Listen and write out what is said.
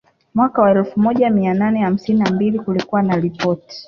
Mwaka wa elfu moja mia nane hamsini na mbili kulikuwa na ripoti